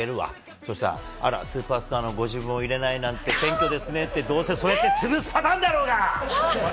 そしたら、あらスーパースターのご自分を入れないなんて謙虚ですねってどうせ潰すパターンだろうが！